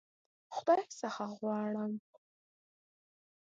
خدای څخه غواړم.